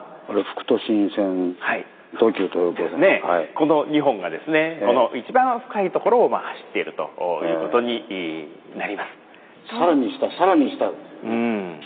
この２本がこの一番深いところを走っているということになります。